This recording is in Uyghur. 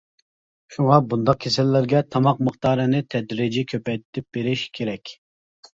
شۇڭا بۇنداق كېسەللەرگە تاماق مىقدارىنى تەدرىجىي كۆپەيتىپ بېرىش كېرەك.